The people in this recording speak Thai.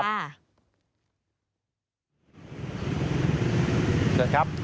เชิญครับ